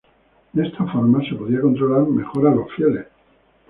De esta forma, se podía controlar mejor a los fieles.